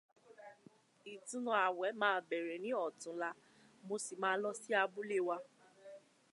Ìtúnu ààwẹ̀ máa bẹ̀rẹ̀ ní ọ̀túnla, mo sì máa lọ sí abúlé wa.